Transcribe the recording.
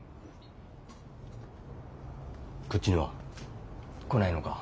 こっちには来ないのか？